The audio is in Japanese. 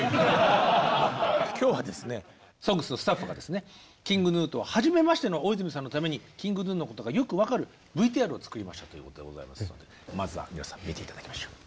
今日はですね「ＳＯＮＧＳ」のスタッフがですねＫｉｎｇＧｎｕと初めましての大泉さんのためにＫｉｎｇＧｎｕのことがよく分かるＶＴＲを作りましたということでございますのでまずは皆さん見て頂きましょう。